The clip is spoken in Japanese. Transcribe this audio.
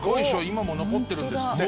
今も残ってるんですって。